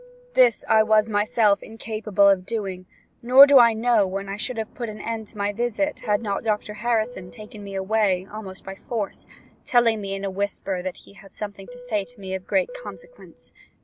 This I was myself incapable of doing, nor do I know when I should have put an end to my visit, had not Dr Harrison taken me away almost by force, telling me in a whisper that he had something to say to me of great consequence.